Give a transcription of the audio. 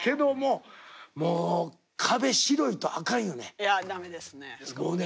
いやダメですね。